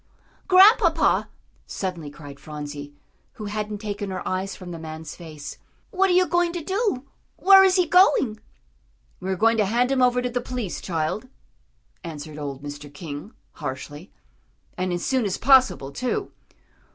"Grandpapa," suddenly cried Phronsie, who hadn't taken her eyes from the man's face, "what are you going to do where is he going?" "We are going to hand him over to the police, child," answered old Mr. King, harshly. "And as soon as possible, too."